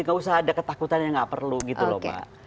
nggak usah ada ketakutannya nggak perlu gitu loh pak